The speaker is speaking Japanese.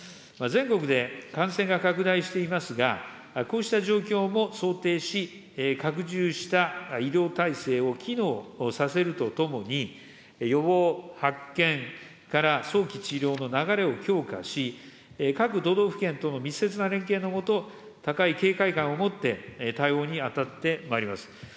全国で感染が拡大していますが、こうした状況も想定し、拡充した医療体制を機能させるとともに、予防、発見から早期治療の流れを強化し、各都道府県との密接な連携の下、高い警戒感を持って対応に当たってまいります。